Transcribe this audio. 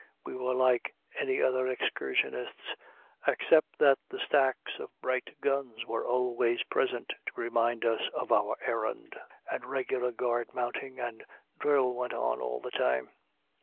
We were like any other excursionists, except that the stacks of bright guns were always present to remind us of our errand, and regular guard mounting and drill went on all the time.